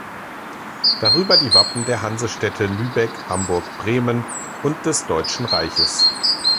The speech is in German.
Darüber die Wappen der Hansestädte Lübeck, Hamburg, Bremen und des Deutschen Reiches.